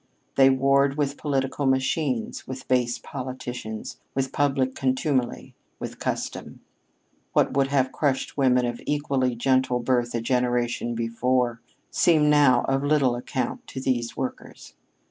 They warred with political machines, with base politicians, with public contumely, with custom. What would have crushed women of equally gentle birth a generation before, seemed now of little account to these workers.